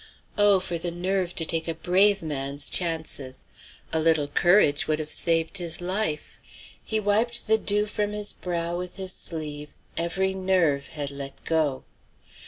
Oh for the nerve to take a brave man's chances! A little courage would have saved his life. He wiped the dew from his brow with his sleeve; every nerve had let go.